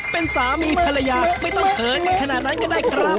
เป็นสามีภรรยาไม่ต้องเขินกันขนาดนั้นก็ได้ครับ